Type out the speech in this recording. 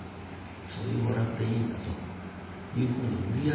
そういう娯楽でいいんだというふうに無理やりこれはね